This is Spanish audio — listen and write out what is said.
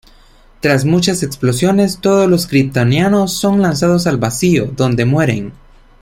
Tras muchas explosiones, todos los kryptonianos son lanzados al vacío, donde mueren.